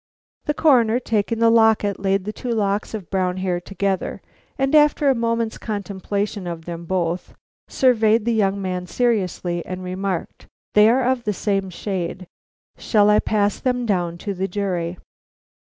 The Coroner, taking the locket, laid the two locks of brown hair together, and after a moment's contemplation of them both, surveyed the young man seriously, and remarked: "They are of the same shade. Shall I pass them down to the jury?"